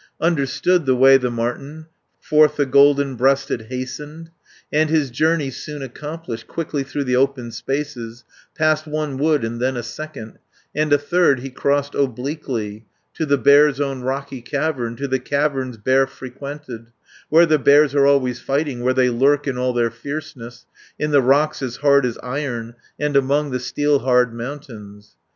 "Understood the way the marten, Forth the golden breasted hastened, And his journey soon accomplished, Quickly through the open spaces, Past one wood, and then a second, And a third he crossed obliquely, To the Bear's own rocky cavern, To the caverns bear frequented, 300 Where the bears are always fighting, Where they lurk In all their fierceness, In the rocks as hard as iron, And among the steel hard mountains.